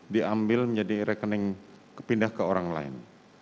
diambil menjadi rekening pindah ke orang lain